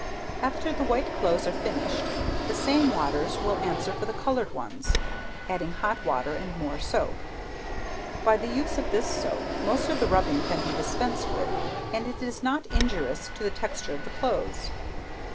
After the white clothes are finished, the same waters will answer for the colored ones, adding hot water and more soap. By the use of this soap, most of the rubbing can be dispensed with, and it is not injurious to the texture of the clothes.